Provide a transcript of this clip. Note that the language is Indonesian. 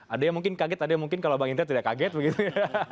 ada yang mungkin kaget ada yang mungkin kalau bang indra tidak kaget begitu ya